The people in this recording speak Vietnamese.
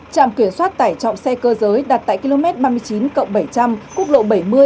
trạm kiểm soát tải trọng xe cơ giới đặt tại km ba mươi chín cộng bảy trăm linh quốc lộ bảy mươi